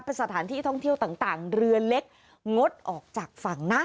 เป็นสถานที่ท่องเที่ยวต่างเรือเล็กงดออกจากฝั่งนะ